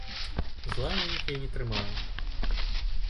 Зла на іх я не трымаю.